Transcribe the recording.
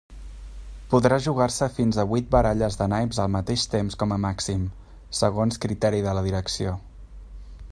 Podrà jugar-se fins amb huit baralles de naips al mateix temps com a màxim, segons criteri de la direcció.